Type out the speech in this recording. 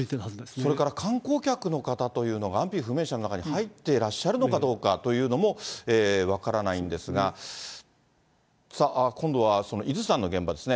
それから観光客の方というのが、安否不明者の中に入っていらっしゃるのかどうかというのも分からないんですが、今度は伊豆山の現場ですね。